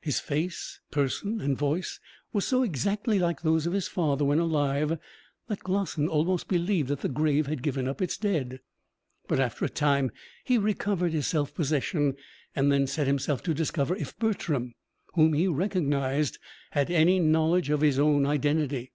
His face, person, and voice were so exactly like those of his father when alive, that Glossin almost believed that the grave had given up its dead. But after a time he recovered his self possession, and then set himself to discover if Bertram, whom he recognised, had any knowledge of his own identity.